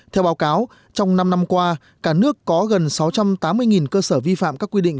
theo báo cáo trong năm năm qua cả nước có gần sáu trăm tám mươi cơ sở vi phạm các quy định